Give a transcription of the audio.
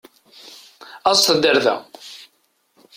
Aẓet-d ar da!